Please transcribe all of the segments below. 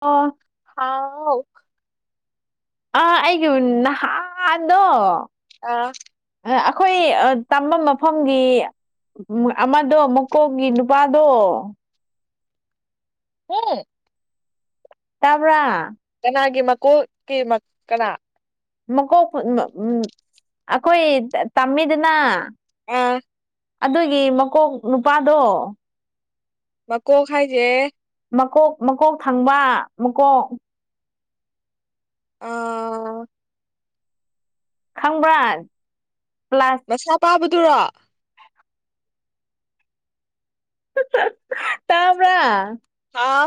ꯑꯣ ꯍꯥꯎ ꯑꯥ ꯑꯩꯒꯤ ꯅꯍꯥꯟꯗꯣ ꯑ ꯑꯩꯈꯣꯏ ꯇꯝꯕ ꯃꯐꯝꯒꯤ ꯑꯃꯗꯣ ꯃꯀꯣꯛꯒꯤ ꯅꯨꯄꯥꯗꯣ ꯎꯝ ꯇꯥꯕ꯭ꯔ ꯀꯅꯥꯒꯤ ꯃꯀꯨꯀꯤ ꯀꯅꯥ ꯃꯀꯣꯛ ꯑꯩꯈꯣꯏ ꯇꯝꯃꯤꯗꯅ ꯑꯥ ꯑꯗꯨꯒꯤ ꯃꯀꯣꯛ ꯅꯨꯄꯥꯗꯣ ꯃꯀꯣꯛ ꯍꯥꯏꯖꯦ ꯃꯀꯣꯛ ꯃꯀꯣꯛ ꯊꯪꯕ ꯃꯀꯣꯛ ꯑꯥꯥ ꯈꯪꯕ꯭ꯔꯥ ꯄ꯭ꯂꯥꯁ ꯃꯁꯥ ꯄꯥꯕꯗꯨꯔꯣ ꯇ꯭ꯕꯔꯥ ꯑꯥ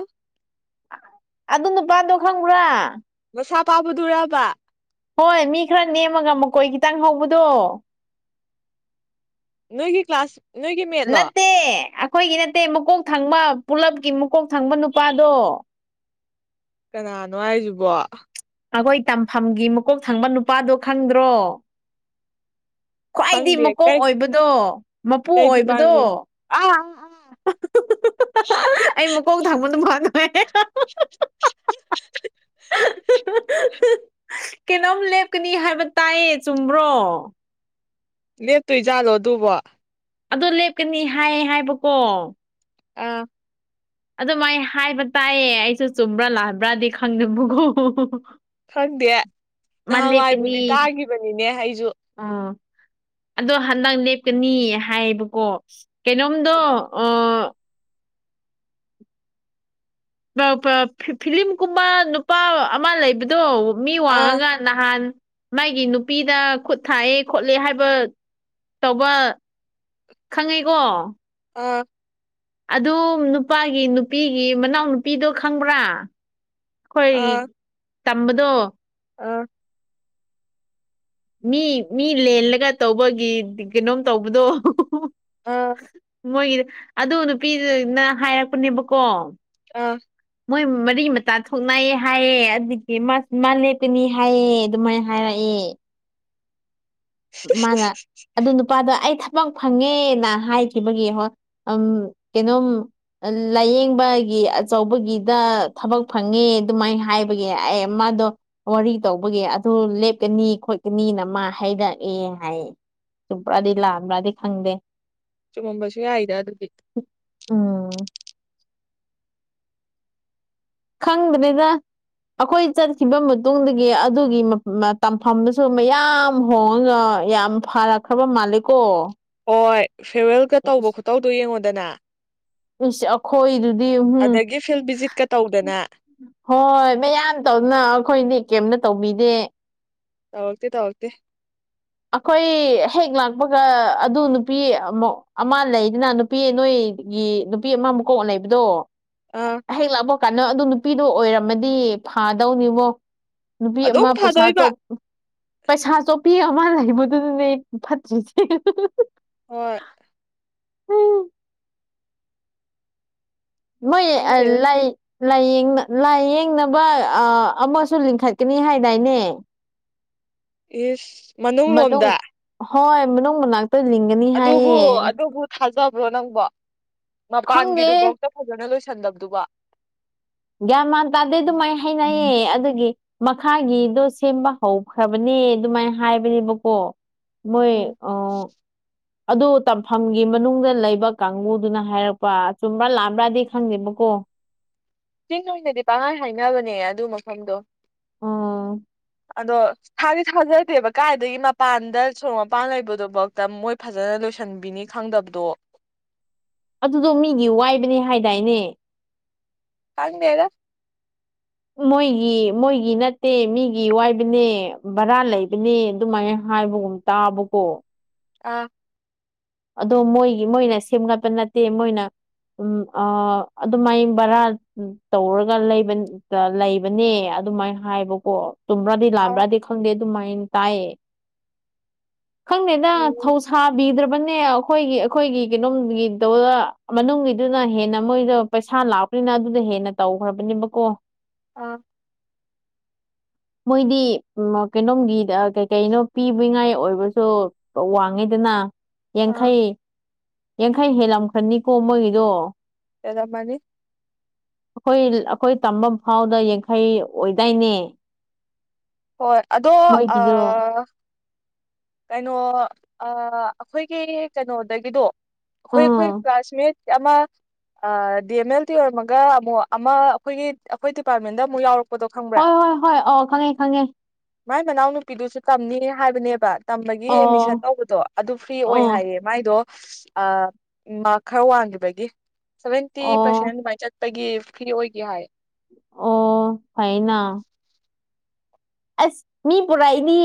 ꯑꯗꯨ ꯅꯨꯄꯥꯗꯣ ꯈꯪꯕ꯭ꯔꯥ ꯃꯁꯥ ꯄꯥꯕꯗꯨꯔꯕ ꯍꯣꯏ ꯃꯤ ꯈꯔ ꯅꯦꯝꯃꯒ ꯃꯀꯣꯏ ꯈꯤꯇꯪ ꯍꯧꯕꯗꯣ ꯅꯣꯏꯒꯤ ꯀ꯭ꯂꯥꯁ ꯅꯣꯏꯒꯤ ꯃꯦꯠꯂꯣ ꯅꯠꯇꯦ ꯑꯩꯈꯣꯏꯒꯤ ꯅꯠꯇꯦ ꯃꯀꯣꯛ ꯊꯪꯕ ꯄꯨꯂꯞꯀꯤ ꯃꯀꯣꯛ ꯊꯪꯕ ꯅꯨꯄꯥꯗꯣ ꯀꯅꯥꯅꯣ ꯍꯥꯏꯁꯤꯕꯣ ꯑꯩꯈꯣꯏ ꯇꯝꯐꯝꯒꯤ ꯃꯀꯣꯛ ꯊꯪꯕ ꯅꯨꯄꯥꯗꯣ ꯈꯪꯗ꯭ꯔꯣ ꯈ꯭ꯋꯥꯏꯗꯤ ꯈꯪꯗꯦ ꯃꯀꯣꯛ ꯀꯩ ꯑꯣꯏꯕꯗꯣ ꯃꯄꯨ ꯑꯣꯏꯕꯗꯣ ꯑ [inaudible] ꯑꯩ ꯃꯀꯣꯛ ꯊꯪꯕ ꯅꯨꯄꯥꯗꯨꯅꯦ ꯀꯩꯅꯣꯝ ꯂꯦꯞꯀꯅꯤ ꯍꯥꯏꯕ ꯇꯥꯏꯌꯦ ꯆꯨꯝꯕ꯭ꯔꯣ ꯂꯦꯞꯇꯣꯏꯖꯥꯠꯂꯣ ꯑꯗꯨꯕꯣ ꯑꯗꯨ ꯂꯦꯞꯀꯅꯤ ꯍꯥꯏ ꯍꯥꯏꯕꯀꯣ ꯑ ꯑꯗꯨꯃꯥꯏ ꯍꯥꯏꯕ ꯇꯥꯏꯌꯦ ꯑꯩꯁꯨ ꯆꯨꯝꯕ꯭ꯔꯥ ꯂꯥꯟꯕ꯭ꯔꯥꯗꯤ ꯈꯪꯅꯤꯡꯕꯀꯣ ꯈꯪꯗꯦ ꯅꯍꯥꯋꯥꯏꯕꯨꯗꯤ ꯇꯥꯒꯤꯕꯅꯤꯅꯦ ꯑꯩꯖꯨ ꯑꯥ ꯑꯗꯣ ꯍꯟꯗꯛ ꯂꯦꯞꯀꯅꯤ ꯍꯥꯏꯌꯦꯕꯀꯣ ꯀꯩꯅꯣꯝꯗꯣ ꯁꯞ- ꯑꯥ ꯕꯥꯞ ꯄꯥꯞ ꯐꯤ ꯐꯤꯂꯤꯝꯀꯨꯝꯃ ꯅꯨꯄꯥ ꯑꯃ ꯂꯩꯕꯗꯣ ꯃꯤ ꯑꯥ ꯋꯥꯡꯉꯒꯥ__ ꯅꯍꯥꯟ ꯃꯥꯒꯤ ꯅꯨꯄꯤꯗ ꯈꯨꯠ ꯊꯥꯏꯌꯦ ꯈꯣꯠꯂꯦ ꯍꯥꯏꯕꯥꯠ__ ꯇꯧꯕ ꯈꯪꯉꯦꯀꯣ ꯑꯥ ꯑꯗꯨ ꯅꯨꯄꯥꯒꯤ ꯅꯨꯄꯤꯒꯤ ꯃꯅꯥꯎ ꯅꯨꯄꯤꯗꯣ ꯈꯪꯕ꯭ꯔꯥ ꯑꯩꯈꯣꯏꯏ ꯑꯥ ꯇꯝꯕꯗꯣ ꯑꯥ ꯃꯤ ꯃꯤ ꯂꯦꯜꯂꯒ ꯇꯧꯕꯒꯤ ꯀꯩꯅꯣꯝ ꯇꯧꯕꯗꯣ ꯑꯥ ꯃꯣꯏꯒꯤ ꯑꯗꯨ ꯅꯨꯄꯤꯗꯨꯅ ꯍꯥꯏꯔꯛꯄꯅꯦꯕꯀꯣ ꯑꯥ ꯃꯣꯏ ꯃꯔꯤ ꯃꯇꯥ ꯊꯣꯛꯅꯩ ꯍꯥꯏꯌꯦ ꯑꯗꯨꯒꯤ ꯃꯥꯁꯨ ꯃꯥ ꯂꯦꯞꯀꯅꯤ ꯍꯥꯏꯌꯦ ꯑꯗꯨꯃꯥꯏ__ ꯍꯥꯏꯔꯛꯑꯦ ꯃꯥꯅ ꯑꯗꯨ ꯅꯨꯄꯥꯗ ꯑꯩ ꯊꯕꯛ ꯐꯪꯉꯦꯅ ꯍꯥꯏꯈꯤꯕꯒꯤ ꯍꯣꯏ ꯑꯝ ꯀꯩꯅꯣꯝ__ ꯑꯂꯥꯏꯌꯦꯡꯕꯒꯤ ꯑꯆꯧꯕꯒꯤꯗ ꯊꯕꯛ ꯐꯪꯉꯦ ꯑꯗꯨꯃꯥꯏꯅ ꯍꯥꯏꯕꯒꯤ ꯑꯩ ꯃꯥꯗꯣ ꯋꯥꯔꯤ ꯇꯧꯕꯒꯤ ꯑꯗꯨ ꯂꯦꯞꯀꯅꯤ ꯈꯣꯠꯀꯅꯤꯅ ꯃꯥ ꯍꯥꯏꯔꯛ__ ꯑꯦ ꯍꯥꯏꯌꯦ ꯆꯨꯝꯄ꯭ꯔꯥꯗꯤ ꯂꯥꯟꯕ꯭ꯔꯥꯗꯤ ꯈꯪꯗꯦ ꯆꯨꯝꯃꯝꯕꯁꯨ ꯌꯥꯏꯗ ꯑꯗꯨꯗꯤ ꯎꯝ ꯈꯪꯗ꯭ꯔꯦꯗ ꯑꯩꯈꯣꯏ ꯆꯠꯈꯤꯕ ꯃꯇꯨꯡꯗꯒꯤ ꯑꯗꯨꯒꯤ ꯃꯥ ꯃꯇꯝ ꯐꯝꯗꯨꯁꯨ ꯃꯌꯥꯝ ꯍꯣꯡꯉꯒ ꯌꯥꯝ ꯐꯥꯔꯥ ꯈ꯭ꯔꯕ ꯃꯥꯂꯦꯀꯣ ꯍꯣꯏ ꯐꯦꯌꯔꯋꯦꯜꯒ ꯇꯧꯕ ꯈꯨꯇꯧꯗꯣ ꯌꯦꯡꯉꯣꯗꯅ ꯏꯁ ꯑꯩꯈꯣꯏꯗꯨꯗꯤ ꯍꯨꯝ ꯑꯗꯒꯤ ꯐꯤꯜ ꯚꯤꯖꯤꯠꯀ ꯇꯧꯗꯅ ꯍꯣꯏ ꯃꯌꯥꯝ ꯇꯧꯅ ꯑꯩꯈꯣꯏꯗꯤ ꯀꯩꯝꯅ ꯇꯧꯕꯤꯗꯦ ꯇꯧꯋꯛꯇꯦ ꯇꯧꯋꯛꯇꯦ ꯑꯩꯈꯣꯏ ꯍꯦꯛ ꯂꯥꯛꯄꯒ ꯑꯗꯨ ꯅꯨꯄꯤ ꯃꯧ ꯑꯃ ꯂꯩꯗꯅ ꯅꯨꯄꯤ ꯅꯣꯏꯒꯤ ꯅꯨꯄꯤ ꯑꯃ ꯃꯀꯣꯛ ꯂꯩꯕꯗꯣ ꯑꯥ ꯍꯦꯛ ꯂꯥꯛꯄ ꯀꯥꯟꯗ ꯑꯗꯨ ꯅꯨꯄꯤꯗꯣ ꯑꯣꯏꯔꯝꯃꯗꯤ ꯐꯥꯗꯧꯅꯤꯕꯣ ꯅꯨꯄꯤ ꯑꯗꯨꯝ ꯑꯃ ꯄꯩꯁꯥ ꯐꯥꯗꯣꯏꯕ ꯆꯣꯞ ꯄꯩꯁꯥ ꯆꯣꯄꯤꯌꯥ ꯃꯥꯥ ꯂꯩꯕꯗꯨꯗꯅꯦ ꯐꯠꯇ꯭ꯔꯤꯁꯦ ꯍꯣꯏ ꯍꯩ ꯑꯁ ꯃꯣꯏ ꯑꯥ ꯈꯪꯗꯦꯗ ꯂꯩꯥ ꯂꯥꯏꯌꯦꯡꯅ ꯂꯥꯏꯌꯦꯡꯅꯕ ꯑꯥ ꯑꯃꯁꯨ ꯂꯤꯡꯈꯠꯀꯅꯤ ꯍꯥꯏꯗꯥꯏꯅꯦ ꯏꯁ ꯃꯅꯨꯡ ꯂꯣꯝꯗ ꯍꯣꯏ ꯃꯅꯨꯡ ꯃꯅꯥꯛꯇ ꯂꯤꯡꯒꯅꯤ ꯑꯗꯨꯕꯨ ꯍꯥꯏꯌꯦ ꯑꯗꯨꯕꯨ ꯊꯥꯖꯕ꯭ꯔꯣ ꯅꯪꯕꯣ ꯈꯪꯗꯦ ꯃꯄꯥꯟꯒꯤꯗꯨꯐꯥꯎꯇ ꯐꯖꯅ ꯂꯣꯏꯁꯟꯗꯕꯗꯨꯕꯣ ꯒ꯭ꯌꯥꯟ ꯃꯥꯟ ꯇꯥꯗꯦ ꯑꯗꯨꯃꯥꯏ ꯍꯅꯩꯌꯦ ꯑꯗꯨꯒꯤ ꯃꯈꯥꯒꯤꯗꯣ ꯁꯦꯝꯕ ꯍꯧꯈ꯭ꯔꯕꯅꯦ ꯑꯗꯨꯃꯥꯏ ꯍꯥꯏꯕꯅꯦꯕꯀꯣ ꯃꯣꯏ ꯎꯝ ꯑꯥ ꯑꯗꯨ ꯇꯝꯐꯝꯒꯤ ꯃꯅꯨꯡꯗ ꯂꯩꯕ ꯀꯥꯡꯕꯨꯗꯨꯅ ꯍꯥꯏꯔꯛꯄ ꯆꯨꯝꯕ꯭ꯔꯥ ꯂꯥꯛꯑꯝꯕ꯭ꯔꯥꯗꯤ ꯈꯪꯗꯦꯕꯀꯣ ꯆꯤꯟ ꯑꯣꯏꯅꯗꯤ ꯄꯥꯡꯒꯥꯏ ꯍꯥꯏꯅꯕꯅꯦ ꯑꯗꯨ ꯃꯐꯝꯗꯣ ꯑꯥ ꯑꯗꯣ ꯊꯥꯗꯤ ꯊꯥꯖꯗꯦꯕ ꯀꯥꯏꯗꯒꯤ ꯃꯄꯥꯟꯗ ꯁꯣꯔꯣꯛ ꯃꯄꯥꯟ ꯂꯩꯕꯗꯨꯐꯥꯎꯗ ꯃꯣꯏ ꯐꯖꯅ ꯂꯣꯏꯁꯟꯕꯤꯅꯤ ꯈꯪꯗꯕꯗꯣ ꯑꯗꯨꯗꯣ ꯃꯤꯒꯤ ꯋꯥꯏꯕꯅꯦ ꯍꯥꯏꯗꯥꯏꯅꯦ ꯈꯡꯗꯦꯗꯥ ꯃꯣꯏꯒꯤ ꯃꯣꯏꯒꯤ ꯅꯠꯇꯦ ꯃꯤꯒꯤ ꯋꯥꯏꯕꯅꯦ ꯕꯔꯥ ꯂꯩꯕꯅꯦ ꯑꯗꯨꯃꯥꯏꯅ ꯍꯥꯏꯕꯒꯨꯝ ꯇꯥꯕꯀꯣ ꯑꯥ ꯑꯗꯣ ꯃꯣꯏꯒꯤ ꯃꯣꯏꯅ ꯁꯦꯝꯒꯠꯄ ꯅꯠꯇꯦ ꯃꯣꯏꯅ ꯎꯝ ꯑ ꯑꯗꯨꯃꯥꯏ ꯕꯔꯥ ꯇꯧꯔꯒ ꯂꯩꯕꯅꯤ ꯂꯩꯕꯅꯦ ꯑꯗꯨꯃꯥꯏꯅ ꯍꯥꯏꯕꯀꯣ ꯆꯨꯝꯕꯔ꯭ꯗꯤ ꯑꯥ ꯂꯥꯛꯕ꯭ꯔꯗꯤ ꯈꯪꯗꯦ ꯑꯗꯨꯃꯥꯏꯅ ꯇꯥꯏꯌꯦ ꯈꯪꯗꯦꯗ ꯎꯝ ꯊꯧ ꯁꯥ ꯕꯗ꯭ꯔꯔꯕꯟ ꯑꯩꯈꯣꯏꯒꯤ ꯑꯩꯈꯣꯏꯒꯤ ꯀꯩꯅꯣꯝꯒꯤꯗꯣ ꯃꯅꯨꯡꯒꯤꯗꯨꯅ ꯍꯦꯟꯅ ꯃꯣꯏꯗ ꯄꯩꯁꯥ ꯂꯥꯛꯄ ꯄꯔꯤꯅꯥ ꯑꯗꯨꯗ ꯍꯦꯟꯅ ꯇꯧꯈ꯭ꯔꯕꯅꯦꯕꯀꯣ ꯑꯣ [unintelligible] ꯃꯣꯏꯗꯤ ꯎ ꯀꯩꯅꯣꯝꯒꯤ ꯀꯩ ꯀꯩꯅꯣ ꯄꯤꯕꯉꯥꯏ ꯑꯣꯏꯕꯁꯨ ꯋꯥꯡꯉꯩꯗꯅ ꯑꯥ ꯌꯥꯡꯈꯩ ꯌꯥꯡꯈꯩ ꯍꯦꯜꯂꯝꯈꯅꯤꯀꯣ ꯃꯣꯏꯒꯤꯗꯣ ꯍꯦꯟꯂꯝ ꯃꯅꯤ ꯑꯩꯈꯣꯏ ꯑꯩꯈꯣꯏ ꯇꯝꯕ ꯐꯥꯎꯗ ꯌꯥꯡꯈꯩ ꯑꯣꯏꯗꯥꯏꯅꯦ [unintelligible] ꯍꯣꯏ ꯑꯗꯣ ꯑ ꯃꯣꯏꯒꯤꯗꯣ ꯀꯩꯅꯣ ꯑꯥ ꯑꯩꯈꯣꯏꯒꯤ ꯀꯩꯅꯣꯗꯒꯤꯗꯣ ꯑꯩꯈꯣꯏ ꯑꯩꯈꯣꯏ ꯎꯝ ꯀ꯭ꯂꯥꯁꯃꯦꯠ ꯑꯃ ꯑꯥ ꯗꯤ ꯑꯦꯝ ꯑꯦꯜ ꯇꯤ ꯑꯣꯏꯔꯝꯃꯒ ꯑꯃꯨꯛ ꯑꯃ ꯑꯩꯈꯣꯏꯒꯤ ꯑꯩꯈꯣꯏ ꯗꯤꯄꯥꯔꯠꯃꯦꯟꯗ ꯑꯃꯨꯛ ꯌꯥꯎꯔꯛꯄ ꯍꯣꯏ ꯍꯣꯏ ꯍꯣꯏ ꯑ ꯈꯪꯉꯦ ꯈꯪꯉꯦ ꯃꯥꯏ ꯃꯅꯥꯎꯅ ꯅꯨꯄꯤꯗꯨꯁꯨ ꯇꯝꯅꯤ ꯍꯥꯏꯕꯅꯦꯕ ꯇꯝꯕꯒꯤ ꯑꯦꯠꯃꯤꯁꯟ ꯑꯣ ꯇꯧꯕꯗꯣ ꯑꯗꯨ ꯐ꯭ꯔꯤ ꯑꯣꯏ ꯑꯣ ꯍꯥꯏꯌꯦꯕ ꯃꯥꯏꯗꯣ ꯑꯥ ꯃꯥꯔꯛ ꯈꯔ ꯋꯥꯡꯈꯤꯕꯒꯤ ꯁꯚꯦꯟꯇꯤ ꯄꯔꯁꯦꯟ ꯑꯣ ꯑꯗꯨꯃꯥꯏꯅ ꯆꯠ ꯄꯥꯒꯤ ꯐ꯭ꯔꯤ ꯑꯣꯏꯒꯦ ꯍꯥꯏ ꯑꯣ ꯐꯩꯅ ꯑꯁ ꯃꯤ ꯄꯨꯔꯛꯏꯅꯤ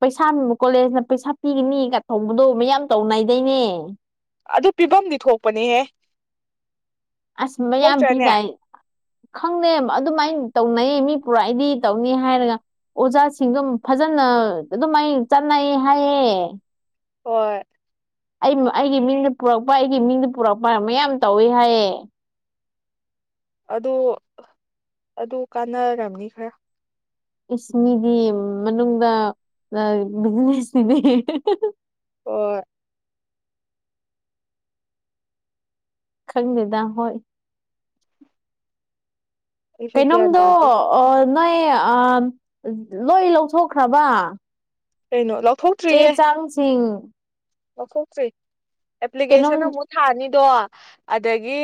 ꯄꯩꯁꯥ ꯀꯣꯂꯦꯖꯅ ꯄꯩꯁꯥ ꯄꯤꯒꯅꯤꯒ ꯊꯧꯕꯗꯣ ꯃꯌꯥꯝ ꯇꯧꯅꯥꯏꯗꯩꯅꯦ ꯑꯗꯨ ꯄꯤꯐꯝꯝꯗꯤ ꯊꯣꯛꯄꯅꯦꯍꯦ ꯑꯁ ꯃꯌꯥꯝ ꯊꯣꯛꯇ꯭ꯔꯅꯦ ꯄꯤꯗꯥꯏ ꯈꯪꯗꯦ ꯑꯗꯨꯃꯥꯏꯅ ꯇꯧꯅꯩꯌꯦ ꯃꯤ ꯄꯨꯔꯛꯑꯗꯤ ꯇꯧꯅꯤ ꯍꯥꯏꯔꯒ ꯑꯣꯖꯥꯁꯤꯡꯗꯨ ꯐꯖꯅ ꯑꯗꯨꯃꯥꯏ ꯆꯠꯅꯩ ꯍꯥꯏꯌꯦ ꯍꯣꯏ ꯑꯩ ꯑꯩꯒꯤ ꯃꯤꯡꯅ ꯄꯨꯔꯛꯄ ꯑꯩꯒꯤ ꯃꯤꯡꯅ ꯄꯨꯔꯛꯄ ꯃꯌꯥꯝ ꯇꯧꯋꯤ ꯍꯥꯏꯌꯦ ꯑꯗꯨ ꯑꯗꯨ ꯀꯥꯟꯅꯔꯝꯅꯤ ꯈꯔ ꯏꯁ ꯃꯤꯗꯤ ꯃꯅꯨꯡꯗ ꯕꯤꯖꯤꯅꯦꯁ ꯅꯤꯅꯦ ꯍꯣꯏ ꯈꯪꯗꯦꯗ ꯍꯣꯏ ꯑꯩꯁꯨ ꯒ꯭ꯌꯥꯟ ꯀꯩꯅꯣꯝꯗꯣ ꯇꯥꯗꯦ ꯑꯥ ꯅꯣꯏ ꯑꯥ ꯂꯣꯏꯟ ꯂꯧꯊꯣꯛꯈ꯭ꯔꯕ ꯀꯩꯅꯣ ꯂꯧꯊꯣꯛ ꯆꯦ ꯆꯥꯡ ꯁꯤꯡ ꯂꯧꯊꯣꯛꯇ꯭ꯔꯤ ꯀꯩꯅꯣꯝ ꯑꯦꯄ꯭ꯂꯤꯀꯦꯁꯟ ꯑꯃꯨꯛ ꯊꯥꯅꯤꯗꯣ ꯑꯗꯥꯒꯤ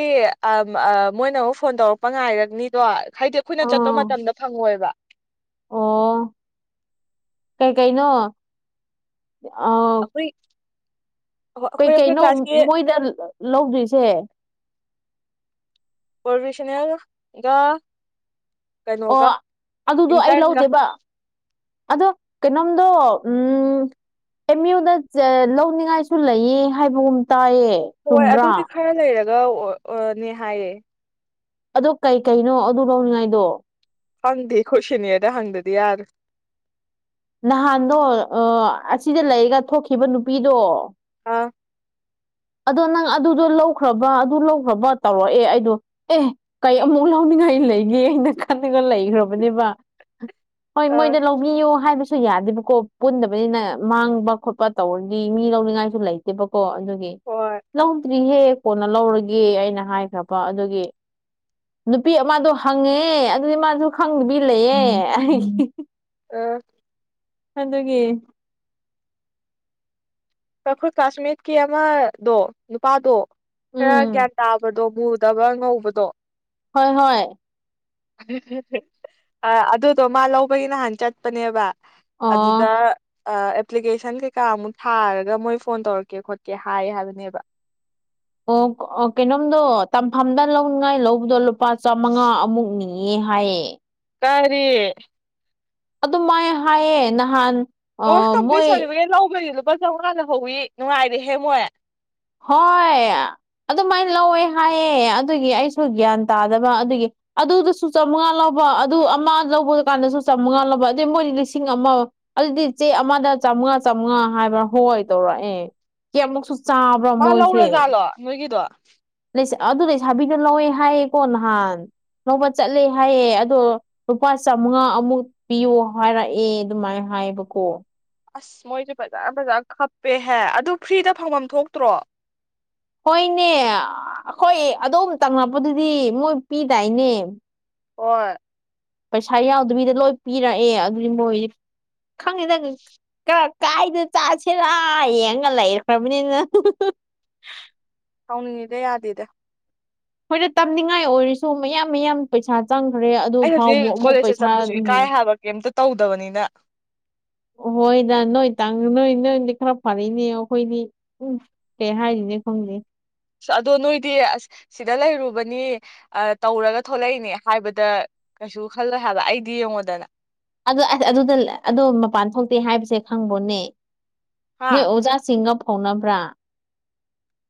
ꯑꯥ ꯃꯣꯏꯅ ꯑꯃꯨꯛ ꯐꯣꯟ ꯇꯧꯔꯛꯄ ꯉꯥꯏꯔꯅꯤꯗꯣ ꯍꯥꯏꯗꯤ ꯑꯩꯈꯣꯏꯅ ꯆꯠꯄ ꯑꯥ ꯃꯇꯝꯗ ꯐꯪꯉꯣꯏꯕ ꯑꯣ ꯀꯩ ꯀꯩꯅꯣ ꯑꯥ [unintelligible] ꯑꯩꯈꯣꯏ ꯀꯩꯀꯩꯅꯣ ꯀ꯭ꯂꯥꯁꯀꯤ ꯃꯣꯏꯗ ꯂꯧꯗꯣꯏꯁꯦ ꯄ꯭ꯔꯣꯕꯤꯁꯅꯦꯜꯒ ꯑꯣ ꯑꯗꯨꯗꯣ ꯑꯩ ꯏꯟꯇꯔꯟꯒ ꯂꯧꯗꯦꯕ ꯑꯗꯣ ꯀꯩꯅꯣꯝꯗꯣ ꯎꯝ ꯑꯦꯝ꯬ꯌꯨꯗ ꯂꯧꯅꯤꯡꯉꯥꯏꯁꯨ ꯂꯩꯌꯦ ꯍꯥꯏꯕꯒꯨꯝ ꯇꯥꯏꯌꯦ ꯍꯣꯏ ꯆꯨꯝꯕ꯭ꯔꯥ ꯑꯗꯨꯗꯤ ꯈꯔ ꯂꯩꯔꯒꯅꯦ ꯑꯥꯅꯦ ꯍꯥꯏꯌꯦ ꯑꯗꯨ ꯀꯩ ꯀꯩꯅꯣ ꯑꯗꯨ ꯂꯧꯅꯤꯡꯉꯥꯏꯗꯣ ꯍꯪꯗ ꯑꯈꯣꯏ ꯁꯦꯅꯤꯌꯔꯗ ꯍꯪꯗ꯭ꯔꯗꯤ ꯌꯥꯔꯣ ꯅꯍꯥꯟꯗꯣ ꯑꯥ ꯑꯁꯤꯗ ꯂꯩꯔꯒ ꯊꯣꯛꯈꯤꯕ ꯅꯨꯄꯤꯗꯣ ꯑꯥ ꯑꯗꯣ ꯅꯪ ꯑꯗꯨꯗꯣ ꯂꯧꯈ꯭ꯔꯕ ꯑꯗꯨ ꯂꯧꯈ꯭ꯔꯕ ꯇꯧꯔꯛꯑꯦ ꯑꯩꯗꯣ ꯑꯦ ꯀꯩ ꯑꯃꯨꯛ ꯂꯧꯅꯤꯡꯉꯥꯏ ꯂꯩꯒꯦ ꯍꯥꯏꯅ ꯈꯟꯔꯒ ꯂꯩꯒ꯭ꯔꯕꯅꯦꯕ ꯍꯣꯏ ꯑꯥ ꯃꯣꯏꯗ ꯂꯧꯕꯤꯌꯨ ꯍꯥꯏꯕꯁꯤ ꯁꯨ ꯌꯥꯗꯦꯕꯀꯣ ꯄꯨꯟꯗꯕꯅꯤꯅ ꯃꯥꯡꯕ ꯈꯣꯠꯄ ꯇꯧꯔꯗꯤ ꯃꯤ ꯂꯧꯅꯤꯡꯉꯥꯏꯁꯨ ꯂꯩꯇꯦꯕꯀꯣ ꯑꯗꯨ ꯍꯣꯏ ꯂꯧꯗ꯭ꯔꯤꯍꯦ ꯀꯣꯟꯅ ꯂꯧꯔꯒꯦ ꯑꯩꯅ ꯍꯥꯏꯈ꯭ꯔꯕ ꯑꯗꯨꯒꯤ ꯅꯨꯄꯤ ꯑꯃꯗꯣ ꯍꯪꯉꯦ ꯑꯗꯨꯗꯤ ꯃꯥꯁꯨ ꯈꯪꯗꯕꯤ ꯂꯩꯌꯦ ꯑꯩ ꯎꯝ ꯑꯥ ꯑꯗꯨꯒꯤ ꯑꯈꯣꯏ ꯀꯥꯁꯃꯤꯠꯀꯤ ꯑꯃꯗꯣ ꯅꯨꯄꯥꯗꯣ ꯈꯔ ꯎꯝ ꯒ꯭ꯌꯥꯟ ꯇꯥꯕꯗꯣ ꯃꯨꯗꯕ ꯉꯧꯕꯗꯣ ꯍꯣꯏ ꯍꯣꯏ ꯑꯥ ꯑꯗꯨꯗꯣ ꯃꯥ ꯂꯧꯕꯒꯤ ꯅꯍꯥꯟ ꯆꯠꯄꯅꯦꯕ ꯑꯣ ꯑꯗꯨꯗ ꯑꯥ ꯑꯦꯄ꯭ꯂꯤꯀꯦꯁꯟ ꯀꯩꯀꯥꯃꯨꯛ ꯊꯥꯔ ꯒ ꯃꯣꯏ ꯐꯣꯟ ꯇꯧꯔꯛꯀꯦ ꯈꯣꯠꯀꯦ ꯍꯥꯏ ꯍꯥꯏꯕꯅꯦꯕ ꯑꯣ ꯀꯩꯅꯣꯝꯗꯣ ꯇꯝꯐꯝꯗ ꯂꯧꯅꯤꯡꯉꯥꯏ ꯂꯧꯕꯗꯣ ꯂꯨꯄꯥ ꯆꯥꯃꯉꯥ ꯑꯃꯨꯛ ꯅꯤ ꯅꯤꯌꯦ ꯍꯥꯏꯌꯦ ꯀꯔꯤ ꯑꯗꯨ ꯃꯥꯏ ꯍꯥꯏꯌꯦ ꯅꯍꯥꯟ ꯀꯣꯔꯁ ꯑꯥ ꯀꯝꯄ꯭ꯂꯤꯠ ꯃꯣꯏ ꯁꯥꯔꯇꯤꯐꯤꯀꯦꯠ ꯂꯧꯕꯒꯤ ꯂꯨꯄꯥ ꯆꯥꯝꯃꯉꯥ ꯂꯧ ꯍꯧꯋꯤ ꯅꯨꯡꯉꯥꯏꯔꯦꯍꯦ ꯃꯣꯏ ꯍꯣꯏ ꯑꯗꯨꯃꯥꯏꯟ ꯂꯧꯋꯦ ꯍꯥꯏꯌꯦ ꯑꯗꯨꯒꯤ ꯑꯩꯁꯨ ꯒ꯭ꯌꯥꯟ ꯇꯥꯗꯕ ꯑꯗꯨꯒꯤ ꯑꯗꯨꯗꯁꯨ ꯆꯥꯝꯃꯉꯥ ꯂꯧꯕ ꯑꯗꯨ ꯑꯃ ꯂꯧꯕ ꯀꯥꯟꯗꯁꯨ ꯆꯥꯝꯃꯉꯥ ꯂꯧꯕ ꯑꯗꯩ ꯃꯣꯏꯗꯤ ꯂꯤꯁꯤꯡ ꯑꯃ ꯑꯗꯨꯗꯤ ꯆꯦ ꯑꯃꯗ ꯆꯥꯝꯃꯉꯥ ꯆꯥꯝꯃꯉꯥ ꯍꯥꯏꯕ꯭ꯔꯥ ꯍꯣꯏ ꯇꯧꯔꯛꯑꯦ ꯀꯌꯥꯝꯃꯨꯛꯁꯨ ꯆꯥ ꯃꯥ ꯂꯧꯔ ꯖꯥꯠꯂꯣ ꯅꯣꯏꯒꯤꯗꯣ ꯑꯗꯨ ꯂꯩꯁꯥꯕꯤꯗꯨ ꯂꯧꯋꯦ ꯍꯥꯏꯌꯦ ꯀꯣ ꯅꯍꯥꯟ ꯂꯧꯕ ꯆꯠꯂꯦ ꯍꯥꯏꯌꯦ ꯑꯗꯣ ꯂꯨꯄꯥ ꯆꯃꯉꯥ ꯑꯃꯨꯛ ꯄꯤꯌꯣ ꯍꯥꯏꯔꯛꯑꯦ ꯑꯗꯨꯃꯥꯏꯟ ꯍꯥꯏꯕ ꯀꯣ ꯑꯁ ꯃꯣꯏꯖꯨ ꯐꯖ ꯐꯖꯅ ꯈꯞꯄꯦꯍꯦ ꯑꯗꯨ ꯐ꯭ꯔꯤꯗ ꯐꯪꯐꯝ ꯊꯣꯛꯇ꯭ꯔꯣ ꯍꯣꯏꯅꯦ ꯑꯩꯈꯣꯏ ꯑꯗꯣꯝ ꯇꯪꯉꯛꯄꯗꯨꯗꯤ ꯃꯣꯏ ꯄꯤꯗꯥꯏꯅꯦ ꯍ‌ꯣꯏ ꯄꯩꯁꯥ ꯌꯥꯎꯗꯕꯤꯗ ꯂꯣꯏ ꯄꯤꯔꯛꯑꯦ ꯑꯗꯨꯗꯤ ꯃꯣꯏ [unintelligible] ꯈꯔ ꯀꯥꯏꯗ ꯆꯥꯁꯤꯔꯥ ꯌꯦꯡꯉ ꯂꯩꯈ꯭ꯔꯕꯅꯤꯅ ꯁꯥꯎꯅꯤꯡꯉꯤꯗ ꯌꯥꯗ‌ꯦꯗ ꯍꯣꯏꯗ ꯇꯝꯅꯤꯡꯉꯥꯏ ꯑꯣꯏꯔꯁꯨ ꯃꯌꯥꯝ ꯃꯌꯥꯝ ꯄꯩꯁꯥ ꯆꯪꯈ꯭ꯔꯦ ꯑꯗꯨ ꯑꯩ ꯐꯥꯎꯕ ꯍꯧꯖꯤꯛ ꯑꯃꯨꯛ ꯀꯣꯂꯦꯖꯇ ꯄꯩꯁꯥ ꯆꯠꯄꯁꯨ ꯅꯤ ꯏꯀꯥꯏ ꯍꯥꯏꯕ ꯀꯩꯝꯇ ꯇꯧꯗꯕꯅꯤꯅ ꯍꯣꯏꯗ ꯅꯣꯏ ꯇꯪ ꯅꯣꯏ ꯅꯣꯏꯗꯤ ꯈꯔ ꯐꯔꯅꯦ ꯑꯩꯈꯣꯏꯗꯤ ꯎꯝ ꯀꯩ ꯍꯥꯏꯔꯤꯅꯦ ꯈꯪꯗꯦ ꯑꯗꯣ ꯅꯣꯏꯗꯤ ꯑꯁ ꯁꯤꯗ ꯂꯩꯔꯨꯕꯅꯤ ꯇꯧꯔꯒ ꯊꯣꯛꯂꯛꯏꯅꯦ ꯍꯥꯏꯕꯗ ꯀꯩꯁꯨ ꯈꯜꯂꯣꯏ ꯍꯥꯏꯕ ꯑꯩꯗꯤ ꯌꯦꯡꯉꯣꯗꯅ ꯑꯗꯨ ꯑꯗꯨꯗ ꯑꯗꯣ ꯃꯄꯥꯟ ꯊꯣꯛꯇꯦ ꯍꯥꯏꯕꯁꯦ ꯈꯪꯕꯣꯅꯦ ꯅꯣꯏ ꯍꯥ ꯑꯣꯖꯥꯁꯤꯡꯒ ꯐꯥꯎꯅꯕ꯭ꯔꯥ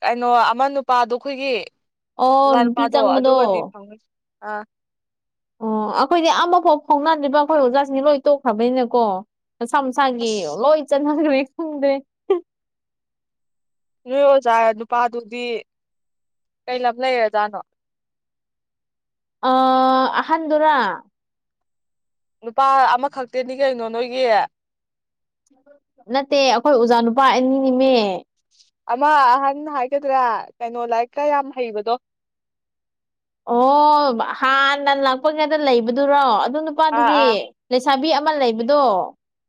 ꯀꯩꯅꯣ ꯑꯃ ꯅꯨꯄꯥꯗꯣ ꯑꯩꯈꯣꯏꯒꯤ ꯑꯣ ꯑꯣꯖꯥ ꯅꯨꯄꯤ ꯅꯨꯄꯥꯗꯣ ꯆꯪꯕꯗꯣ ꯑꯗꯨꯒꯗꯤ [unintelligible] ꯑꯣ ꯑꯩꯈꯣꯏꯗꯤ ꯑꯃꯐꯥꯎ ꯐꯥꯎꯅꯗ꯭ꯔꯤꯕ ꯑꯩꯈꯣꯏ ꯑꯣꯖꯥꯁꯤꯡꯁꯤ ꯂꯣꯏ ꯇꯣꯛꯈ꯭ꯔꯕꯅꯤꯅꯀꯣ ꯃꯁꯥ ꯃꯁꯥꯒꯤ ꯑꯁ ꯂꯣꯏ ꯆꯠꯅꯒ꯭ꯔꯦ ꯈꯪꯗꯦ ꯅꯣꯏ ꯑꯣꯖꯥ ꯅꯨꯄꯥꯗꯨꯗꯤ ꯀꯩ ꯂꯝ ꯂꯩꯔ ꯖꯥꯅꯣ ꯑ ꯑꯍꯟꯗꯨꯔꯥ ꯅꯨꯄꯥ ꯑꯃꯈꯛꯇꯅꯤ ꯀꯩꯅꯣ ꯅꯣꯏꯒꯤ ꯅꯠꯇꯦ ꯑꯩꯈꯣꯏ ꯑꯣꯖꯥ ꯅꯨꯄꯥ ꯑꯅꯤ ꯅꯦꯃꯤ ꯑꯃ ꯑꯍꯟ ꯍꯥꯏꯒꯗ꯭ꯔꯥ ꯀꯩꯅꯣ ꯂꯥꯏꯔꯤꯛꯀ ꯌꯥꯝ ꯍꯩꯕꯗꯣ ꯑꯣ ꯍꯥꯟꯅ ꯂꯥꯛꯄ ꯉꯩꯗ ꯂꯩꯕꯗꯨꯔꯣ ꯑꯗꯨ ꯑꯥ ꯅꯨꯄꯥꯗꯨꯗꯤ ꯑꯥ ꯂꯩꯁꯥꯕꯤ ꯑꯃ ꯂꯩꯕꯗꯣ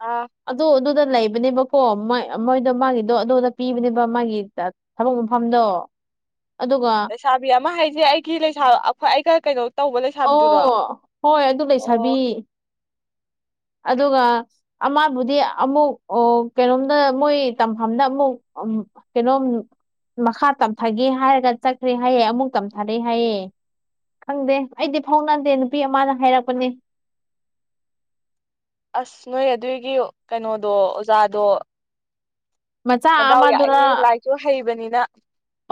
ꯑ ꯑꯗꯨ ꯑꯗꯨꯗ ꯂꯩꯕꯅꯦꯕꯀꯣ ꯃꯣꯏ ꯃꯣꯏꯗꯣ ꯃꯥꯒꯤꯗꯣ ꯑꯗꯨꯗ ꯄꯤꯕꯅꯦꯕ ꯃꯥꯒꯤ ꯊꯕꯛ ꯃꯐꯝꯗꯣ ꯑꯗꯨꯒ ꯂꯩꯁꯥꯕꯤ ꯑꯃ ꯍꯥꯏꯁꯦ ꯑꯩꯒꯤ ꯂꯩꯁꯥ ꯑꯩꯈꯣꯏ ꯑꯩꯒ ꯀꯩꯅꯣ ꯇꯧꯕ ꯂꯩꯁꯥꯕꯤꯗꯨꯔꯣ ꯑꯣ ꯍꯣꯏ ꯑꯗꯨ ꯂꯩꯁꯥꯕꯤ ꯑꯣ ꯑꯗꯨꯒ ꯑꯃꯕꯨꯗꯤ ꯑꯃꯨꯛ ꯑꯣ ꯀꯩꯅꯣꯝꯗ ꯃꯣꯏ ꯇꯝꯐꯝꯗ ꯑꯃꯨꯛ ꯀꯩꯅꯣꯝ ꯃꯈꯥ ꯇꯝꯊꯒꯦ ꯍꯥꯏꯔꯒ ꯆꯠꯈ꯭ꯔꯦ ꯍꯥꯏꯌꯦ ꯑꯃꯨꯛ ꯇꯝꯊꯔꯦ ꯍꯥꯏꯌꯦ ꯈꯪꯗꯦ ꯑꯩꯗꯤ ꯐꯥꯎꯅꯗꯦ ꯅꯨꯄꯤ ꯑꯃꯅ ꯍꯥꯏꯔꯛꯄꯅꯦ ꯑꯁ ꯅꯣꯏ ꯑꯗꯨꯒꯤ ꯀꯩꯅꯣꯗꯣ ꯑꯣꯖꯥꯗꯣ ꯃꯆꯥ ꯃꯗꯥꯎ ꯑꯃꯗꯨꯔ ꯌꯥꯏꯍꯦ ꯂꯥꯏꯔꯤꯁꯨ ꯍꯩꯕꯅꯤꯅ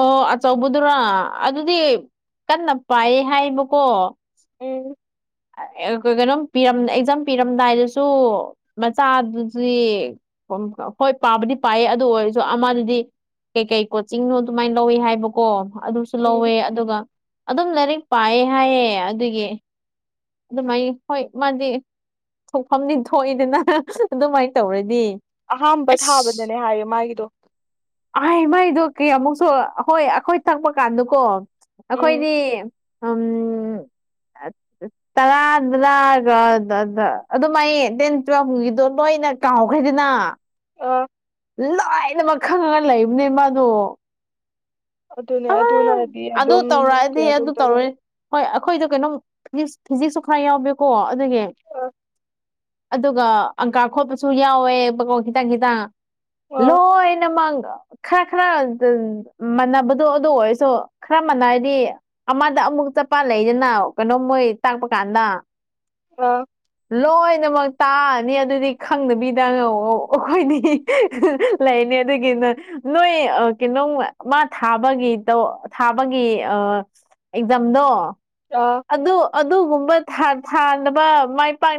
ꯑꯣ ꯑꯆꯧꯕꯗꯨꯔ ꯑꯗꯨꯗꯤ ꯀꯟꯅ ꯄꯥꯏ ꯍꯥꯏꯕꯀꯣ ꯎꯝ ꯀꯩꯅꯣꯝ ꯄꯤꯔꯝ ꯑꯦꯛꯖꯥꯝ ꯄꯤꯔꯝꯗꯥꯏꯗꯁꯨ ꯃꯆꯥꯗꯨꯗꯤ ꯍꯣꯏ ꯄꯥꯕꯗꯤ ꯄꯥꯏꯌꯦ ꯑꯗꯨ ꯑꯣꯏꯔꯁꯨ ꯑꯃꯗꯗꯤ ꯀꯩꯀꯩ ꯀꯣꯆꯤꯡꯅꯣ ꯁꯨꯃꯥꯏꯅ ꯂꯧꯋꯦ ꯍꯥꯏꯕꯀꯣ ꯑꯗꯨꯁꯨ ꯂꯧꯋꯦ ꯎꯝ ꯑꯗꯨꯒ ꯑꯗꯨꯝ ꯂꯥꯏꯔꯤꯛ ꯄꯥꯏꯌꯦ ꯍꯥꯏꯌꯦ ꯑꯗꯨꯒꯤ ꯑꯗꯨꯃꯥꯏꯅ ꯍꯣꯏ ꯃꯥꯗꯤ ꯊꯣꯛꯐꯝꯗꯤ ꯊꯣꯛꯏꯗꯅ ꯑꯗꯨꯃꯥꯏꯅ ꯇꯧꯔꯗꯤ ꯑꯍꯥꯝꯕ ꯑꯁ ꯊꯥꯕꯗꯅꯦ ꯍꯥꯏꯌꯦ ꯃꯥꯒꯤꯗꯣ ꯑꯥꯏ ꯃꯥꯏꯗꯣ ꯀꯤꯌꯥꯝꯃꯨꯛꯁꯨ ꯍꯣꯏ ꯑꯩꯈꯣꯏ ꯊꯛꯄ ꯀꯥꯟꯗꯀꯣ ꯎꯝ ꯑꯩꯈꯣꯏꯗꯤ ꯑꯝ ꯇꯔꯥꯗꯔꯥꯒ ꯗꯗ ꯑꯗꯨꯝ ꯑꯩ ꯇꯦꯟ ꯇꯨꯋꯦꯜꯐꯒꯤꯗꯣ ꯂꯣꯏꯅ ꯀꯥꯎꯈ꯭ꯔꯦꯗꯅ ꯑ ꯂꯣꯏꯅꯃꯛ ꯈꯪꯉꯒ ꯂꯩꯕꯅꯦ ꯃꯥꯗꯣ ꯑꯗꯨꯅꯦ ꯑ ꯑꯗꯨꯅꯗꯤ ꯑꯗꯨ ꯑꯗꯨꯝ ꯇꯧꯔꯛꯑꯗꯤ ꯀꯩꯅꯣ ꯑꯗꯨ ꯇꯧꯗꯕ ꯇꯧꯔꯣꯏ ꯍꯣꯏ ꯑꯈꯣꯏꯗꯣ ꯀꯩꯅꯣꯝ ꯐꯤꯖꯤꯁ ꯐꯤꯖꯤꯛꯁꯁꯨ ꯈꯔ ꯌꯥꯎꯕꯦꯀꯣ ꯑꯗꯒꯤ ꯑ ꯑꯗꯨꯒ ꯑꯪꯀꯥ ꯈꯣꯠꯄꯁꯨ ꯌꯥꯎꯋꯦ ꯕꯀꯣ ꯈꯤꯇꯪ ꯈꯤꯇꯪ ꯑ ꯂꯣꯏꯅꯃꯛ ꯈꯔ ꯈꯔ ꯃꯥꯟꯅꯕ ꯗꯣ ꯑꯗꯣ ꯑꯣꯏꯔꯁꯨ ꯈꯔꯃꯅꯩꯗꯤ ꯑꯃꯗ ꯑꯃꯨꯛ ꯆꯄꯥ ꯂꯩꯗꯅ ꯀꯩꯅꯣ ꯃꯣꯏ ꯇꯥꯛꯄ ꯀꯥꯟꯗ ꯑ ꯂꯣꯏꯅꯃꯛ ꯇꯥꯔꯅꯤ ꯑꯗꯨꯗꯤ ꯈꯪꯗꯕꯤꯗ ꯑꯈꯣꯏꯗꯤ ꯂꯩꯅꯦ ꯑꯗꯨꯒꯤ ꯅ ꯅꯣꯏ ꯀꯩꯅꯣ ꯃꯥ ꯊꯥꯕꯒꯤ ꯇꯣ ꯊꯥꯕꯒꯤ ꯑ ꯑꯦꯛꯖꯥꯝꯗꯣ ꯑ ꯑꯗꯨ ꯑꯗꯨꯒꯨꯝꯕ ꯊꯥ ꯊꯥꯟꯗꯕ ꯃꯥꯏ ꯄꯥꯛ